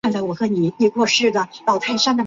嘉庆十九年登甲戌科进士。